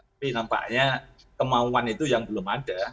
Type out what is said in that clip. tapi nampaknya kemauan itu yang belum ada